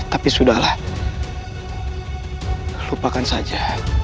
tapi sudahlah lupakan saja